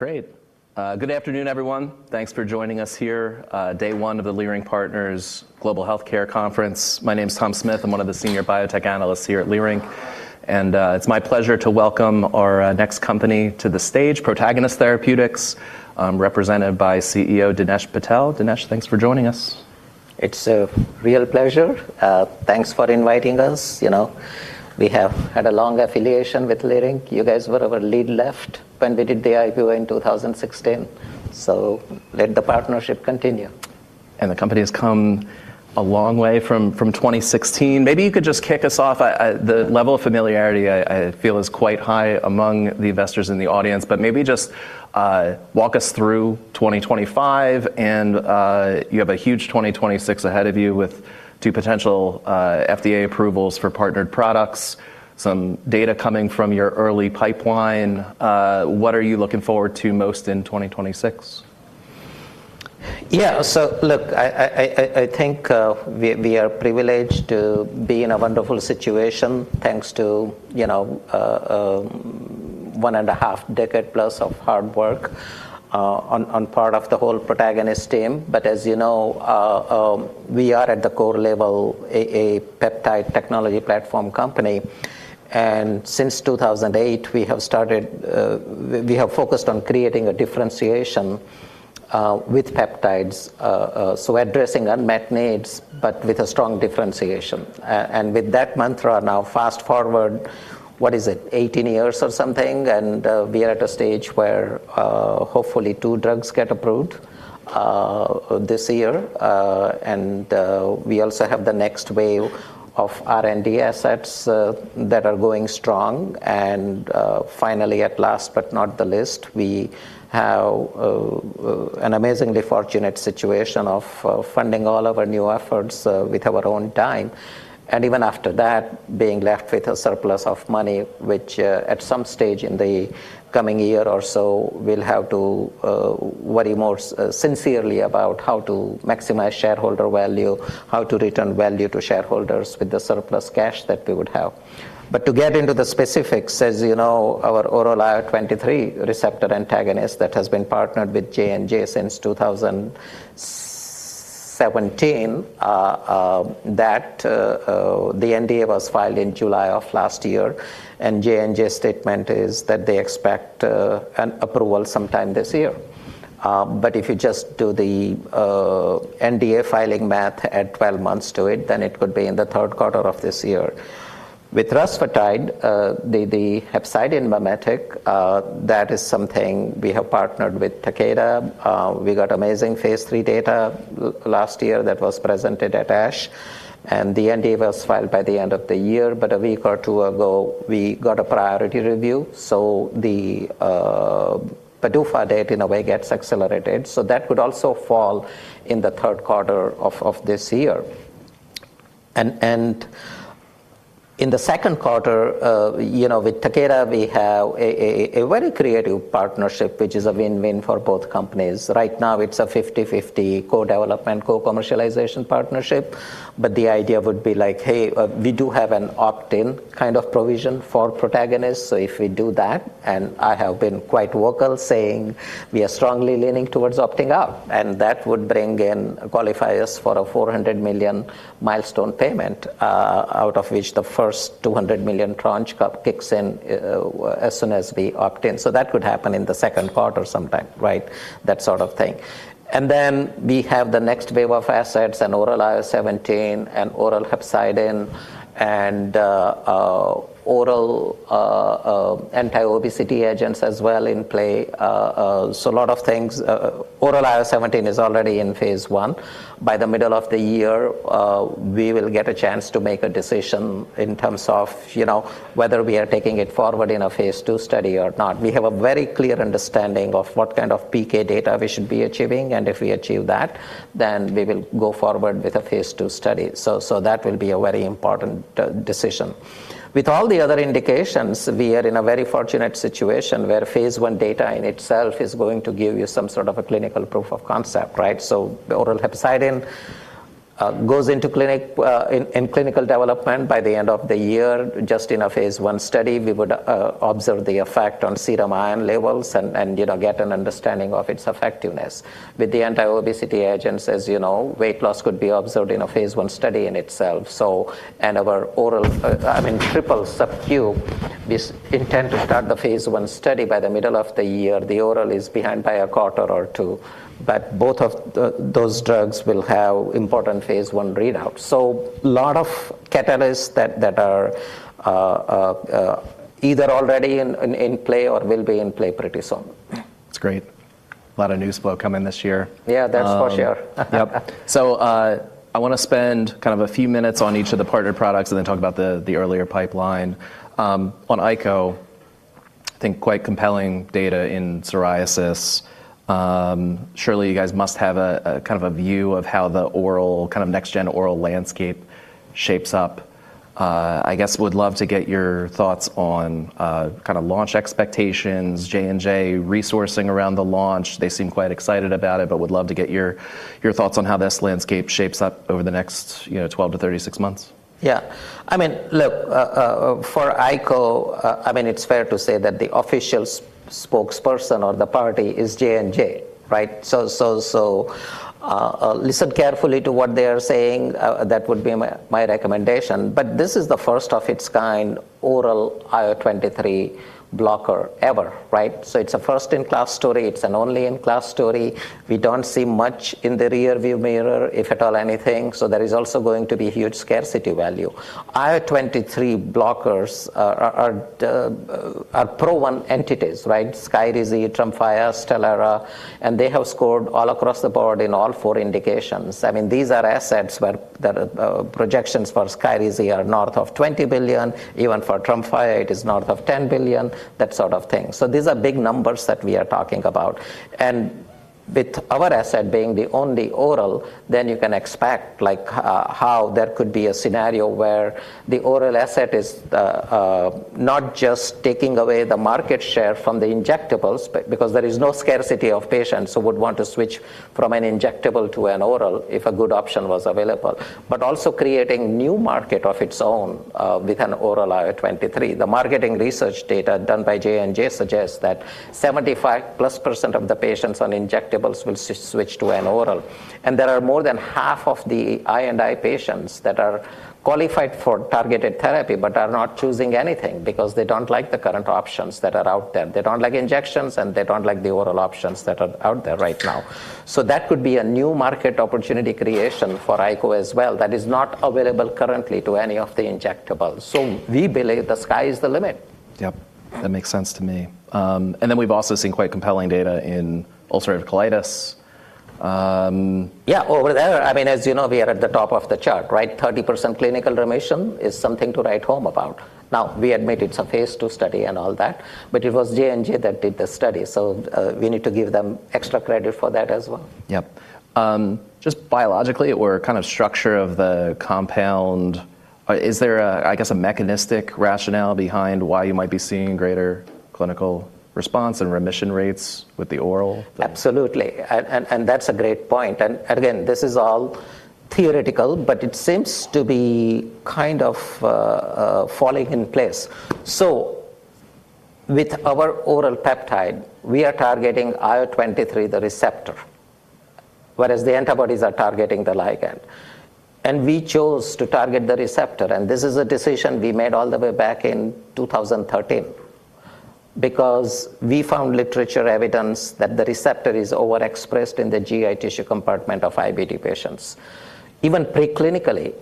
Great. good afternoon, everyone. Thanks for joining us here, day one of the Leerink Partners Global Healthcare Conference. My name's Tom Smith. I'm one of the senior biotech analysts here at Leerink, and it's my pleasure to welcome our next company to the stage, Protagonist Therapeutics, represented by CEO Dinesh Patel. Dinesh, thanks for joining us. It's a real pleasure. Thanks for inviting us. You know, we have had a long affiliation with Leerink. You guys were our lead left when we did the IPO in 2016. Let the partnership continue. The company has come a long way from 2016. Maybe you could just kick us off. The level of familiarity I feel is quite high among the investors in the audience, but maybe just walk us through 2025 and you have a huge 2026 ahead of you with two potential FDA approvals for partnered products, some data coming from your early pipeline. What are you looking forward to most in 2026? Yeah. Look, I think, we are privileged to be in a wonderful situation thanks to, you know, one and a half decade plus of hard work, on part of the whole Protagonist team. As you know, we are at the core level a peptide technology platform company. Since 2008, we have focused on creating a differentiation, with peptides, so addressing unmet needs, but with a strong differentiation. With that mantra, now fast-forward, what is it, 18 years or something, and we are at a stage where hopefully two drugs get approved this year. We also have the next wave of R&D assets that are going strong. Finally, at last but not the least, we have an amazingly fortunate situation of funding all of our new efforts with our own dime, and even after that, being left with a surplus of money, which at some stage in the coming year or so, we'll have to worry more sincerely about how to maximize shareholder value, how to return value to shareholders with the surplus cash that we would have. To get into the specifics, as you know, our oral IL-23 receptor antagonist that has been partnered with J&J since 2017, that the NDA was filed in July of last year, and J&J's statement is that they expect an approval sometime this year. If you just do the NDA filing math, add 12 months to it would be in the third quarter of this year. With rusfertide, the hepcidin mimetic, that is something we have partnered with Takeda. We got amazing phase III data last year that was presented at ASH, and the NDA was filed by the end of the year. A week or two ago, we got a priority review, the PDUFA date in a way gets accelerated. That would also fall in the third quarter of this year. In the second quarter, you know, with Takeda, we have a very creative partnership, which is a win-win for both companies. Right now it's a 50-50 co-development, co-commercialization partnership. The idea would be like, hey, we do have an opt-in kind of provision for Protagonist. If we do that, and I have been quite vocal saying we are strongly leaning towards opting up, and that would qualify us for a $400 million milestone payment, out of which the first $200 million tranche cup kicks in as soon as we opt in. That would happen in the second quarter sometime, right? That sort of thing. Then we have the next wave of assets and oral IL-17 and oral hepcidin and oral anti-obesity agents as well in play. A lot of things. Oral IL-17 is already in phase I. By the middle of the year, we will get a chance to make a decision in terms of, you know, whether we are taking it forward in a phase II study or not. We have a very clear understanding of what kind of PK data we should be achieving, and if we achieve that, then we will go forward with a phase II study. That will be a very important decision. With all the other indications, we are in a very fortunate situation where phase I data in itself is going to give you some sort of a clinical proof of concept, right? The oral hepcidin goes into clinic in clinical development by the end of the year. Just in a phase I study, we would observe the effect on serum iron levels and, you know, get an understanding of its effectiveness. With the anti-obesity agents, as you know, weight loss could be observed in a phase I study in itself. Our oral, I mean, triple sub-Q, we intend to start the phase I study by the middle of the year. The oral is behind by a quarter or two, but both of those drugs will have important phase I readouts. A lot of catalysts that are either already in play or will be in play pretty soon. It's great. Lot of news flow coming this year. Yeah, that's for sure. I wanna spend kind of a few minutes on each of the partnered products and then talk about the earlier pipeline. On ICO, I think quite compelling data in psoriasis. Surely you guys must have a kind of a view of how the oral kind of next-gen oral landscape shapes up. I guess would love to get your thoughts on kind of launch expectations, J&J resourcing around the launch. They seem quite excited about it, would love to get your thoughts on how this landscape shapes up over the next, you know, 12-36 months. Yeah. I mean, look, for ICO, I mean it's fair to say that the official spokesperson or the party is J&J, right? Listen carefully to what they are saying. That would be my recommendation. This is the first of its kind oral IL-23 blocker ever, right? It's a first in class story, it's an only in class story. We don't see much in the rear view mirror, if at all anything, so there is also going to be huge scarcity value. IL-23 blockers are pro one entities, right? Skyrizi, Tremfya, Stelara, and they have scored all across the board in all four indications. I mean, these are assets where the projections for Skyrizi are north of $20 billion, even for Tremfya it is north of $10 billion, that sort of thing. These are big numbers that we are talking about. With our asset being the only oral, then you can expect like how there could be a scenario where the oral asset is not just taking away the market share from the injectables, because there is no scarcity of patients who would want to switch from an injectable to an oral if a good option was available. Also creating new market of its own with an oral IL-23. The marketing research data done by J&J suggests that 75+% of the patients on injectables will switch to an oral. There are more than half of the I&I patients that are qualified for targeted therapy but are not choosing anything because they don't like the current options that are out there. They don't like injections and they don't like the oral options that are out there right now. That could be a new market opportunity creation for ICO as well that is not available currently to any of the injectables. We believe the sky is the limit. Yep. That makes sense to me. Then we've also seen quite compelling data in ulcerative colitis. Yeah. Over there, I mean, as you know, we are at the top of the chart, right? 30% clinical remission is something to write home about. We admit it's a phase II study and all that, but it was J&J that did the study, so, we need to give them extra credit for that as well. Yep. Just biologically or kind of structure of the compound, is there a, I guess, a mechanistic rationale behind why you might be seeing greater clinical response and remission rates with the oral? Absolutely. And that's a great point. Again, this is all theoretical, but it seems to be kind of falling in place. With our oral peptide, we are targeting IL-23, the receptor, whereas the antibodies are targeting the ligand. We chose to target the receptor, and this is a decision we made all the way back in 2013, because we found literature evidence that the receptor is overexpressed in the GI tissue compartment of IBD patients. Even pre-clinically,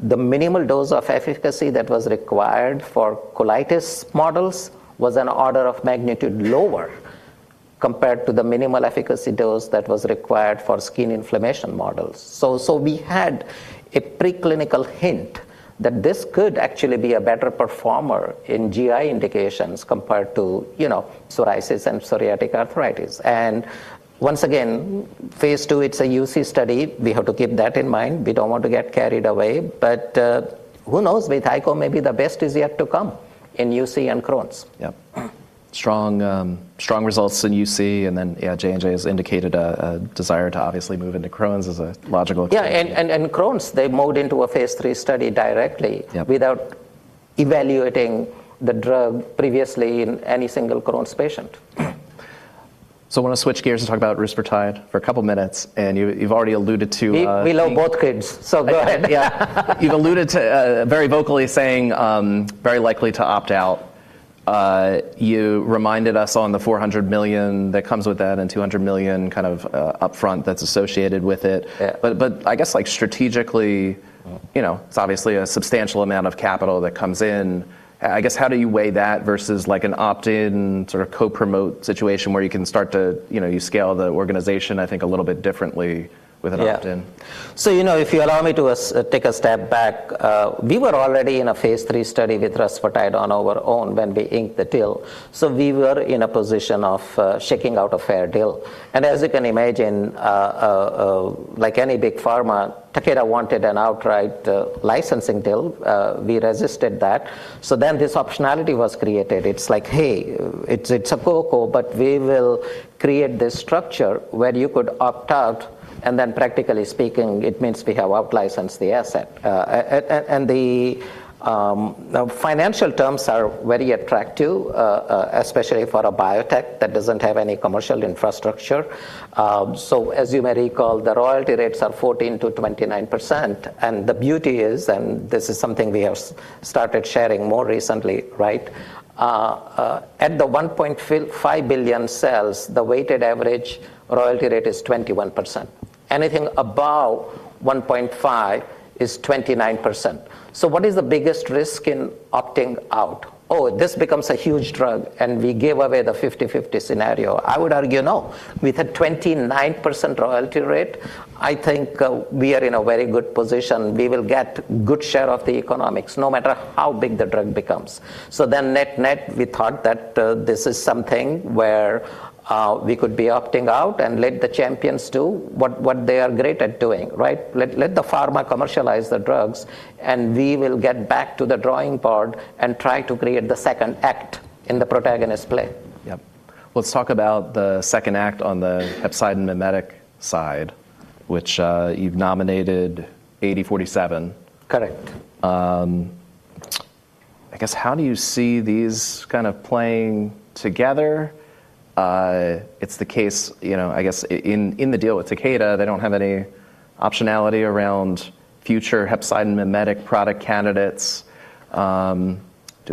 the minimal dose of efficacy that was required for colitis models was an order of magnitude lower compared to the minimal efficacy dose that was required for skin inflammation models. We had a pre-clinical hint that this could actually be a better performer in GI indications compared to, you know, psoriasis and psoriatic arthritis. Once again, phase II, it's a UC study. We have to keep that in mind. We don't want to get carried away. Who knows? With ICO, maybe the best is yet to come in UC and Crohn's. Yep. Strong results in UC. J&J has indicated a desire to obviously move into Crohn's. Yeah. Crohn's, they mowed into a phase III study directly. Yep Without evaluating the drug previously in any single Crohn's patient. I wanna switch gears and talk about rusfertide for a couple minutes, and you've already alluded to. We love both kids, so go ahead. You've alluded to very vocally saying, very likely to opt out. You reminded us on the $400 million that comes with that and $200 million kind of upfront that's associated with it. Yeah. I guess like strategically, you know, it's obviously a substantial amount of capital that comes in. I guess how do you weigh that versus like an opt-in sort of co-promote situation where you can start to, you know, you scale the organization I think a little bit differently with an opt-in? Yeah. You know, if you allow me to take a step back, we were already in a phase III study with rusfertide on our own when we inked the deal. We were in a position of shaking out a fair deal. As you can imagine, like any big pharma, Takeda wanted an outright licensing deal. We resisted that. This optionality was created. It's like, hey, it's a focal, but we will create this structure where you could opt out and then practically speaking, it means we have outlicensed the asset. And the financial terms are very attractive, especially for a biotech that doesn't have any commercial infrastructure. As you may recall, the royalty rates are 14%-29%. The beauty is, and this is something we have started sharing more recently, right? At the $1.5 billion sales, the weighted average royalty rate is 21%. Anything above $1.5 is 29%. What is the biggest risk in opting out? Oh, this becomes a huge drug, and we give away the 50/50 scenario. I would argue no. With a 29% royalty rate, I think we are in a very good position. We will get good share of the economics, no matter how big the drug becomes. Net, net, we thought that this is something where we could be opting out and let the champions do what they are great at doing, right? Let the pharma commercialize the drugs, and we will get back to the drawing board and try to create the second act in the Protagonist play. Yep. Let's talk about the second act on the hepcidin mimetic side, which you've nominated PN-8047. Correct. I guess how do you see these kind of playing together? It's the case, you know, I guess in the deal with Takeda, they don't have any optionality around future hepcidin mimetic product candidates. Do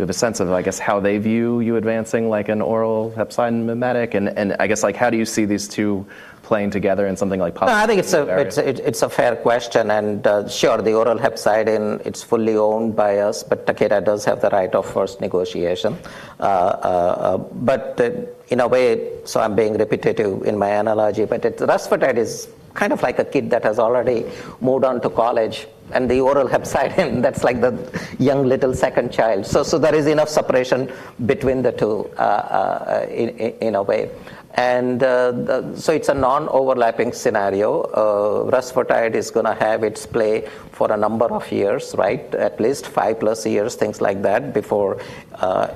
you have a sense of, I guess, how they view you advancing like an oral hepcidin mimetic and I guess like how do you see these two playing together in something like possible? No, I think it's a fair question, and sure, the oral hepcidin, it's fully owned by us, but Takeda does have the right of first negotiation. In a way, I'm being repetitive in my analogy, but rusfertide is kind of like a kid that has already moved on to college, and the oral hepcidin that's like the young little second child. There is enough separation between the two in a way. So it's a non-overlapping scenario. rusfertide is gonna have its play for a number of years, right? At least five plus years, things like that, before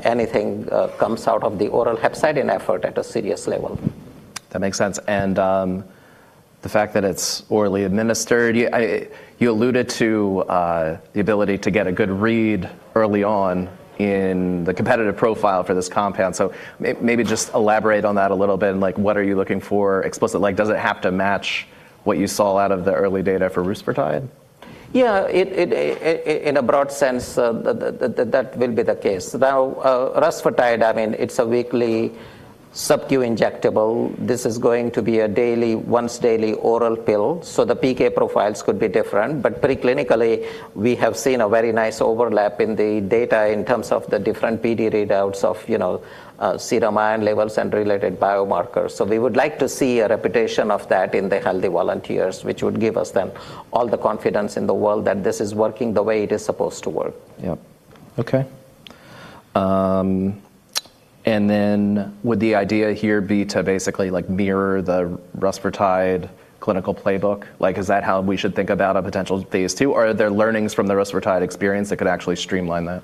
anything comes out of the oral hepcidin effort at a serious level. That makes sense. The fact that it's orally administered, you alluded to the ability to get a good read early on in the competitive profile for this compound. Maybe just elaborate on that a little bit, and like what are you looking for explicitly? Like, does it have to match what you saw out of the early data for rusfertide? Yeah. It in a broad sense, that will be the case. Now, rusfertide, I mean, it's a weekly sub-Q injectable. This is going to be a once daily oral pill, so the PK profiles could be different. Pre-clinically, we have seen a very nice overlap in the data in terms of the different PD readouts of, you know, serum iron levels and related biomarkers. We would like to see a repetition of that in the healthy volunteers, which would give us then all the confidence in the world that this is working the way it is supposed to work. Yep. Okay. Would the idea here be to basically like mirror the rusfertide clinical playbook? Like, is that how we should think about a potential phase II? Or are there learnings from the rusfertide experience that could actually streamline that?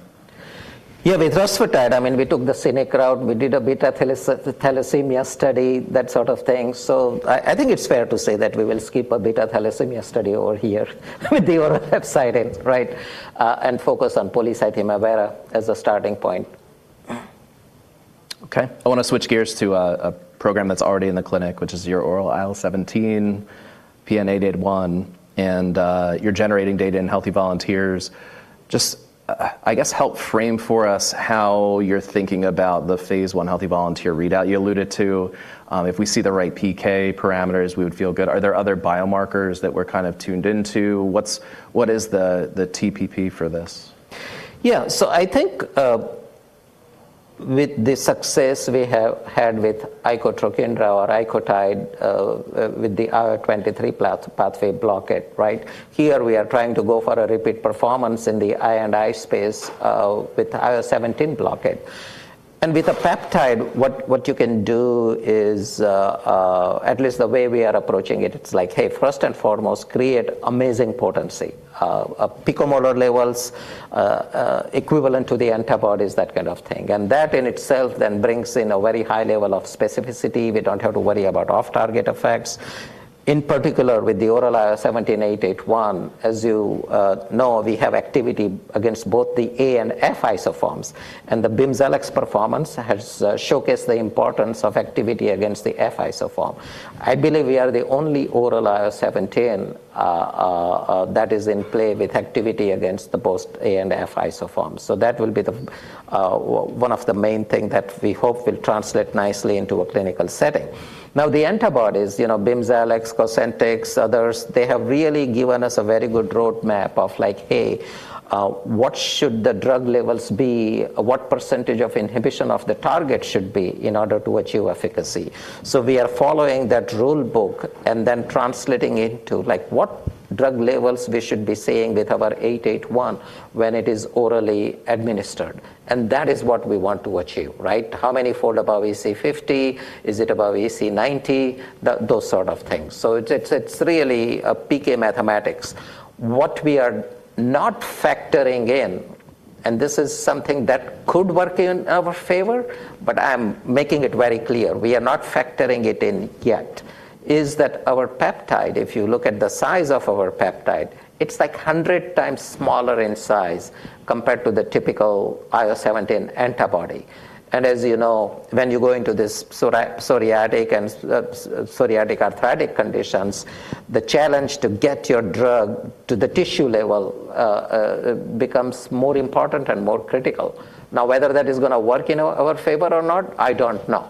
Yeah, with rusfertide, I mean, we took the scenic route. We did a beta thalassemia study, that sort of thing. I think it's fair to say that we will skip a beta thalassemia study over here with the oral hepcidin, right? Focus on polycythemia vera as a starting point. Okay. I wanna switch gears to a program that's already in the clinic, which is your oral IL-17 PN-881, and you're generating data in healthy volunteers. Just I guess help frame for us how you're thinking about the phase I healthy volunteer readout you alluded to. If we see the right PK parameters, we would feel good. Are there other biomarkers that we're kind of tuned into? What is the TPP for this? I think, with the success we have had with Icotinib or Icotyde, with the IL-23 pathway blockade, right? Here we are trying to go for a repeat performance in the I&I space, with the IL-17 blockade. With the peptide, what you can do is, at least the way we are approaching it's like, hey, first and foremost, create amazing potency, picomolar levels, equivalent to the antibodies, that kind of thing. That in itself brings in a very high level of specificity. We don't have to worry about off-target effects. In particular, with the oral IL-17 881, as you know, we have activity against both the A and F isoforms, and the BIMZELX performance has showcased the importance of activity against the F isoform. I believe we are the only oral IL-17 that is in play with activity against the both A and F isoforms. That will be the one of the main thing that we hope will translate nicely into a clinical setting. The antibodies, you know, BIMZELX, COSENTYX, others, they have really given us a very good roadmap of like, hey, what should the drug levels be? What % of inhibition of the target should be in order to achieve efficacy? We are following that rule book and then translating it to like what drug levels we should be seeing with our 881 when it is orally administered. That is what we want to achieve, right? How many fold above EC50? Is it above EC90? Those sort of things. It's really PK mathematics. What we are not factoring in, and this is something that could work in our favor, but I'm making it very clear, we are not factoring it in yet, is that our peptide, if you look at the size of our peptide, it's like 100x smaller in size compared to the typical IL-17 antibody. As you know, when you go into this psoriatic and psoriatic arthritic conditions, the challenge to get your drug to the tissue level becomes more important and more critical. Now, whether that is gonna work in our favor or not, I don't know.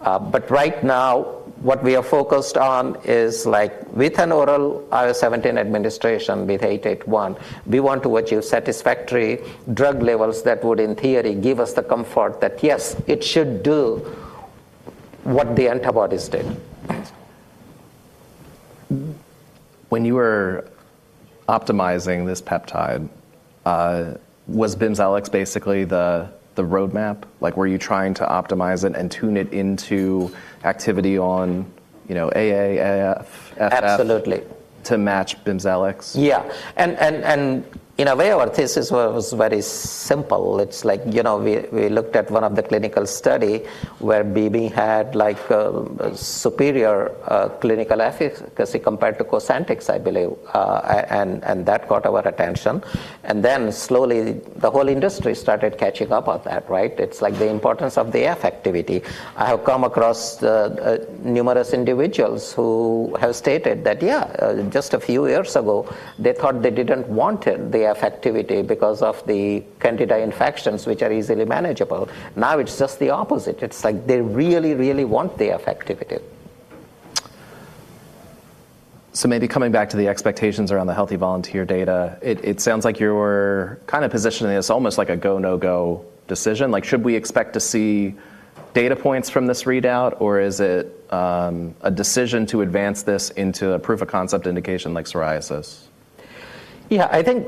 Right now, what we are focused on is like with an oral IL-17 administration with PN-881, we want to achieve satisfactory drug levels that would, in theory, give us the comfort that, yes, it should do what the antibodies did. When you were optimizing this peptide, was BIMZELX basically the roadmap? Like, were you trying to optimize it and tune it into activity on you know, AA, AF, FF Absolutely To match BIMZELX. Yeah. In a way, our thesis was very simple. It's like, you know, we looked at one of the clinical study where BB had like, superior clinical efficacy compared to COSENTYX, I believe. That got our attention. Slowly the whole industry started catching up on that, right? It's like the importance of the F activity. I have come across the numerous individuals who have stated that, yeah, just a few years ago, they thought they didn't want it, the F activity because of the Candida infections, which are easily manageable. Now it's just the opposite. It's like they really want the F activity. Maybe coming back to the expectations around the healthy volunteer data, it sounds like you're kinda positioning this almost like a go, no-go decision. Like, should we expect to see data points from this readout, or is it a decision to advance this into a proof of concept indication like psoriasis? Yeah. I think,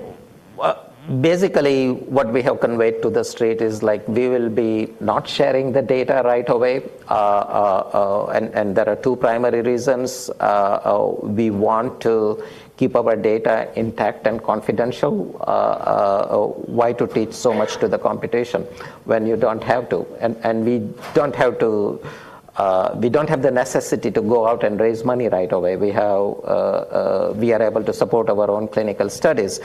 basically what we have conveyed to the street is like we will be not sharing the data right away. There are two primary reasons, we want to keep our data intact and confidential. Why to teach so much to the competition when you don't have to? We don't have to. We don't have the necessity to go out and raise money right away. We have. We are able to support our own clinical studies.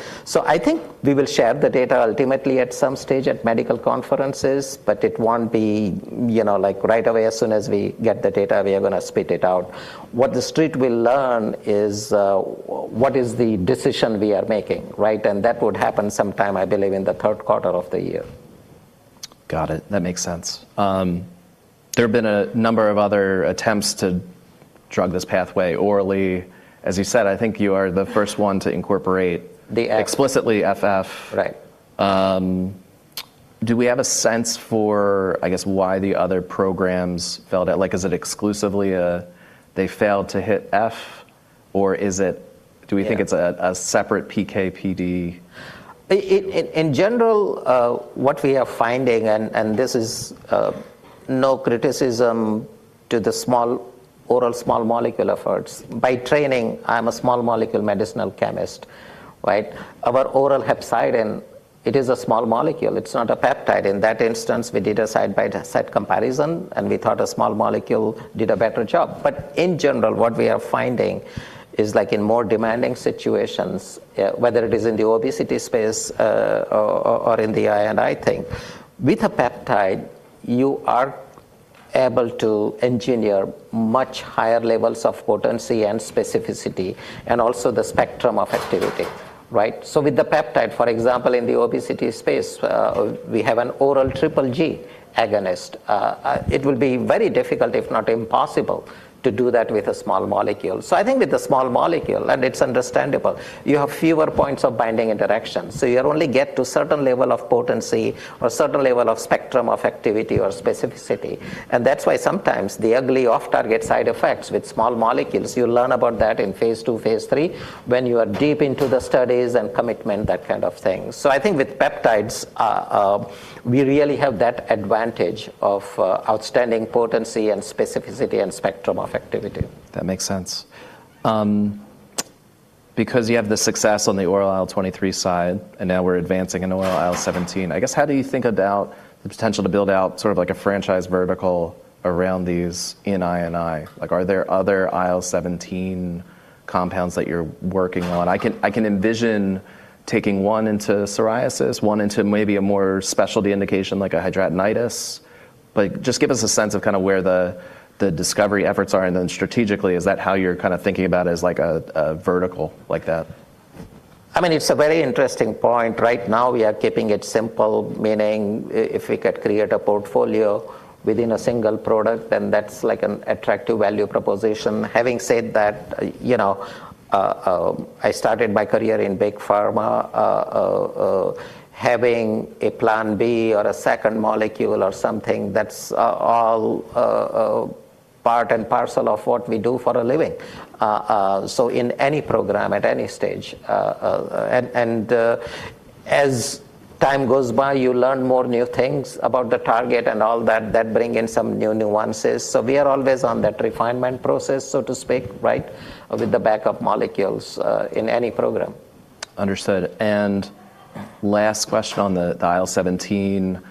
I think we will share the data ultimately at some stage at medical conferences, but it won't be, you know, like right away as soon as we get the data, we are gonna spit it out. What the street will learn is what is the decision we are making, right? That would happen sometime, I believe, in the third quarter of the year. Got it. That makes sense. There have been a number of other attempts to drug this pathway orally. As you said, I think you are the first one to incorporate- The F. Explicitly FF. Right. Do we have a sense for, I guess, why the other programs failed at? Like, is it exclusively, they failed to hit F? Yeah. Do we think it's a separate PK/PD? In general, what we are finding, and this is no criticism to the oral small molecule efforts. By training, I'm a small molecule medicinal chemist, right? Our oral hepcidin, it is a small molecule. It's not a peptide. In that instance, we did a side-by-side comparison, and we thought a small molecule did a better job. In general, what we are finding is like in more demanding situations, whether it is in the obesity space, or in the I and I thing, with a peptide, you are able to engineer much higher levels of potency and specificity and also the spectrum of activity, right? With the peptide, for example, in the obesity space, we have an oral Triple G agonist. It will be very difficult, if not impossible, to do that with a small molecule. I think with the small molecule, and it's understandable, you have fewer points of binding interactions. You only get to certain level of potency or certain level of spectrum of activity or specificity. That's why sometimes the ugly off-target side effects with small molecules, you learn about that in phase II, phase III when you are deep into the studies and commitment, that kind of thing. I think with peptides, we really have that advantage of outstanding potency and specificity and spectrum of activity. That makes sense. You have the success on the oral IL-23 side, and now we're advancing an oral IL-17, I guess, how do you think about the potential to build out sort of like a franchise vertical around these in I&I? Like, are there other IL-17 compounds that you're working on? I can envision taking one into psoriasis, one into maybe a more specialty indication like a hidradenitis. Like, just give us a sense of kind of where the discovery efforts are, and then strategically, is that how you're kind of thinking about it as like a vertical like that? I mean, it's a very interesting point. Right now we are keeping it simple, meaning if we could create a portfolio within a single product, then that's like an attractive value proposition. Having said that, you know, I started my career in big pharma, having a plan B or a second molecule or something, that's all part and parcel of what we do for a living. So in any program at any stage. As time goes by, you learn more new things about the target and all that bring in some new nuances. So we are always on that refinement process, so to speak, right, with the backup molecules in any program. Understood. Last question on the IL-17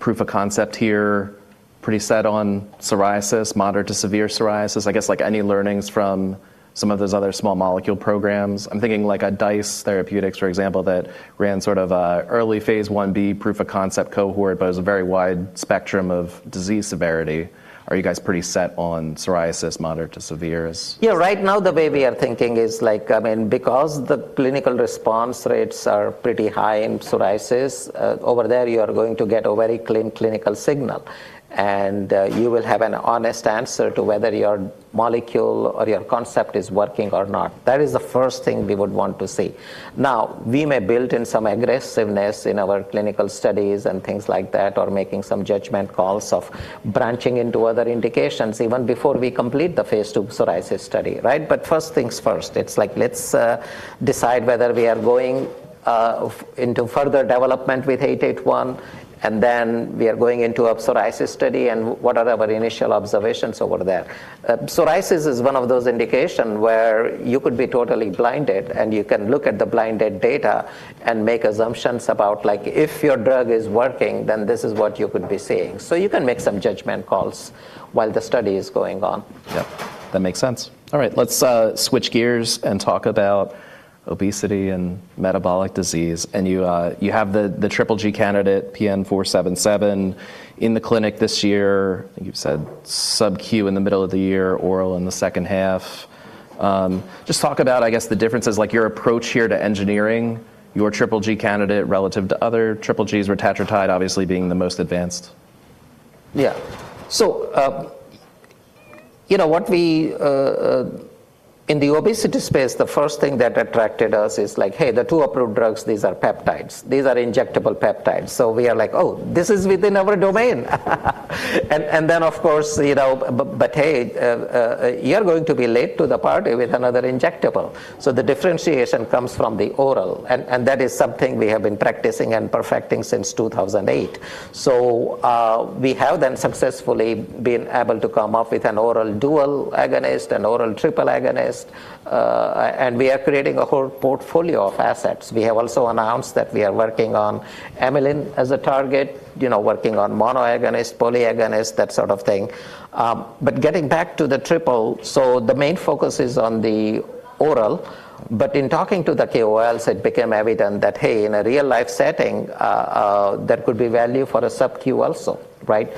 proof of concept here. Pretty set on psoriasis, moderate to severe psoriasis. I guess like any learnings from some of those other small molecule programs. I'm thinking like a DICE Therapeutics, for example, that ran sort of a early phase I-B proof of concept cohort but has a very wide spectrum of disease severity. Are you guys pretty set on psoriasis, moderate to severe? Yeah. Right now the way we are thinking is like, I mean, because the clinical response rates are pretty high in psoriasis, over there you are going to get a very clean clinical signal, and you will have an honest answer to whether your molecule or your concept is working or not. That is the first thing we would want to see. Now, we may build in some aggressiveness in our clinical studies and things like that or making some judgment calls of branching into other indications even before we complete the phase II psoriasis study, right? First things first. It's like let's decide whether we are going into further development with 881, and then we are going into a psoriasis study and what are our initial observations over there. Psoriasis is one of those indication where you could be totally blinded, and you can look at the blinded data, and make assumptions about, like, if your drug is working, then this is what you could be seeing. You can make some judgment calls while the study is going on. Yeah, that makes sense. All right, let's switch gears and talk about obesity and metabolic disease. You have the Triple G candidate, PN-477, in the clinic this year. You've said sub-Q in the middle of the year, oral in the second half. Just talk about, I guess, the differences, like your approach here to engineering your Triple G candidate relative to other Triple G's, Retatrutide obviously being the most advanced. Yeah. You know, In the obesity space, the first thing that attracted us is like, hey, there are two approved drugs, these are peptides. These are injectable peptides. We are like, "Oh, this is within our domain." Of course, you know, but hey, you're going to be late to the party with another injectable. The differentiation comes from the oral, and that is something we have been practicing and perfecting since 2008. We have then successfully been able to come up with an oral dual agonist, an oral triple agonist, and we are creating a whole portfolio of assets. We have also announced that we are working on amylin as a target, you know, working on mono agonist, poly agonist, that sort of thing. Getting back to the triple, so the main focus is on the oral, but in talking to the KOLs, it became evident that, hey, in a real-life setting, there could be value for a sub-Q also, right?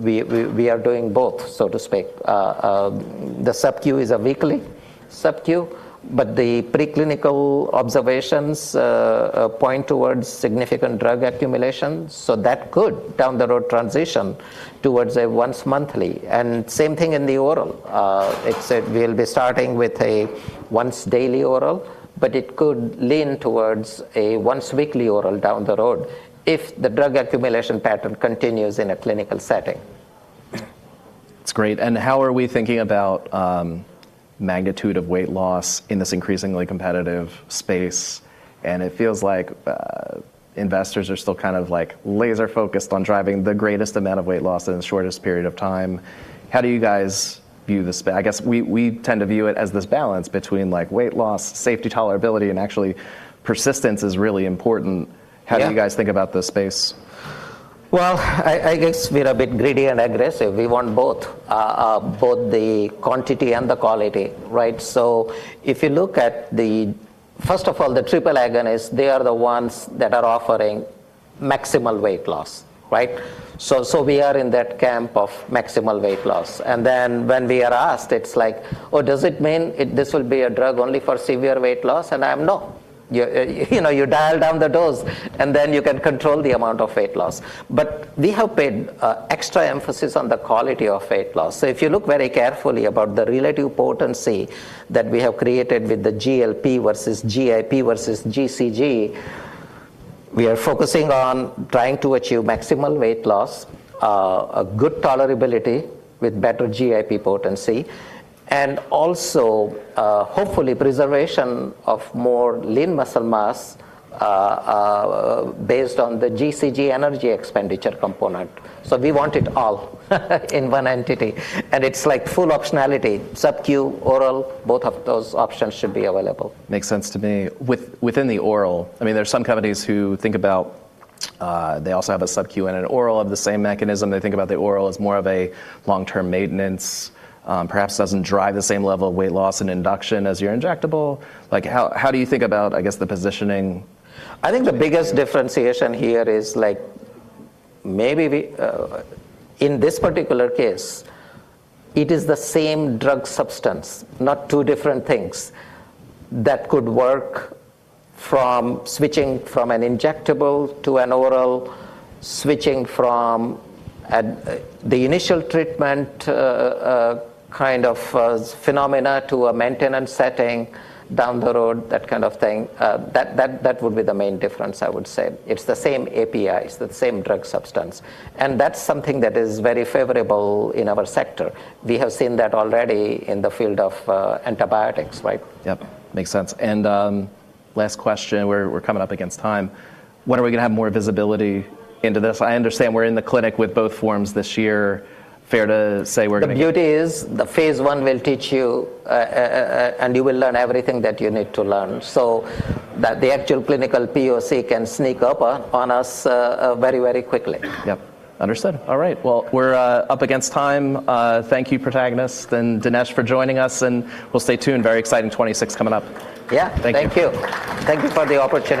We are doing both, so to speak. The sub-Q is a weekly sub-Q, but the preclinical observations point towards significant drug accumulation, so that could, down the road, transition towards a once-monthly. Same thing in the oral. We'll be starting with a once-daily oral, but it could lean towards a once-weekly oral down the road if the drug accumulation pattern continues in a clinical setting. It's great. How are we thinking about magnitude of weight loss in this increasingly competitive space? It feels like investors are still kind of like laser-focused on driving the greatest amount of weight loss in the shortest period of time. How do you guys view it as this balance between like weight loss, safety tolerability, and actually persistence is really important. Yeah. How do you guys think about this space? Well, I guess we're a bit greedy and aggressive. We want both. both the quantity and the quality, right? If you look at the First of all, the triple agonist, they are the ones that are offering maximal weight loss, right? we are in that camp of maximal weight loss. When we are asked, it's like, "Oh, does it mean this will be a drug only for severe weight loss?" I'm, "No." You know, you dial down the dose, you can control the amount of weight loss. We have paid extra emphasis on the quality of weight loss. If you look very carefully about the relative potency that we have created with the GLP versus GIP versus GCG, we are focusing on trying to achieve maximal weight loss, a good tolerability with better GIP potency, and also, hopefully preservation of more lean muscle mass, based on the GCG energy expenditure component. We want it all in one entity. It's like full optionality, sub-Q, oral, both of those options should be available. Makes sense to me. within the oral, I mean, there are some companies who think about they also have a sub-Q and an oral of the same mechanism. They think about the oral as more of a long-term maintenance. Perhaps doesn't drive the same level of weight loss and induction as your injectable. Like, how do you think about, I guess, the positioning? I think the biggest differentiation here is like maybe we. In this particular case, it is the same drug substance, not two different things that could work from switching from an injectable to an oral, switching from the initial treatment, kind of phenomena to a maintenance setting down the road, that kind of thing. That would be the main difference, I would say. It's the same API, it's the same drug substance. That's something that is very favorable in our sector. We have seen that already in the field of antibiotics, right? Yep. Makes sense. Last question, we're coming up against time. When are we gonna have more visibility into this? I understand we're in the clinic with both forms this year. The beauty is, the phase I will teach you, and you will learn everything that you need to learn, so that the actual clinical POC can sneak up on us, very, very quickly. Yep. Understood. All right. Well, we're up against time. Thank you, Protagonist and Dinesh, for joining us, and we'll stay tuned. Very exciting 26 coming up. Yeah. Thank you. Thank you. Thank you for the opportunity.